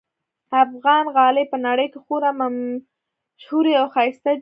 افغان غالۍ په نړۍ کې خورا ممشهوري اوښایسته دي